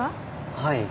はい。